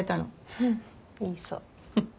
フッ言いそう。